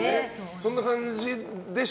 そんな感じでしょ